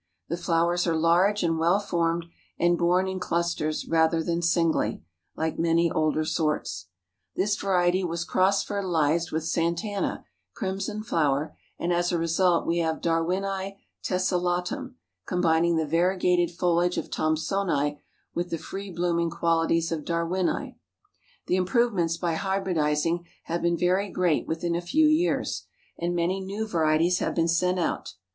The flowers are large and well formed, and borne in clusters rather than singly, like many older sorts. This variety was cross fertilized with Santana, crimson flower, and as a result we have Darwinii tessellatum, combining the variegated foliage of Thomsonii with the free blooming qualities of Darwinii. The improvements by hybridizing have been very great within a few years, and many new varieties have been sent out.